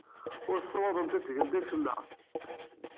Ur tessawḍemt ad tgemt acemma.